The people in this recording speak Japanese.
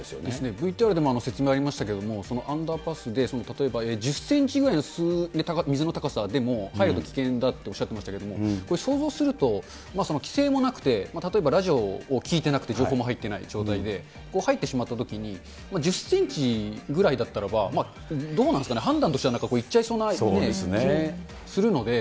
ＶＴＲでも説明ありましたけれども、アンダーパスで例えば、１０センチぐらいの水の高さでも、入ると危険だとおっしゃってましたけど、これ、想像すると、規制もなくて、例えば、ラジオを聴いてなくて情報も入ってない状態で、入ってしまったときに、１０センチぐらいだったらば、どうなんですかね、判断としては行っちゃいそうな気がするので。